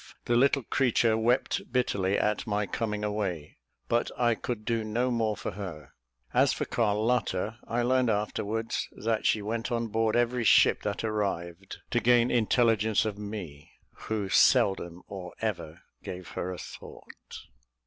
The little creature wept bitterly at my coming away; but I could do no more for her. As for Carlotta, I learned afterwards that she went on board every ship that arrived, to gain intelligence of me, who seldom or ever gave her a thought.